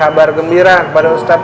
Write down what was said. ustadz musa'i mulla dan santun